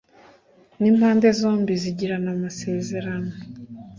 n impande zombi zigirana amasezerano